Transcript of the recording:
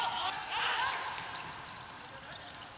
สวัสดีครับ